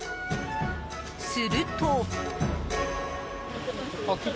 すると。